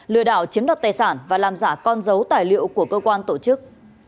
lừa đảo chiếm đoạt tài sản và làm giả con dấu tài liệu của cơ quan tổ chức